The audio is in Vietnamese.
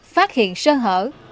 phát hiện sơ hở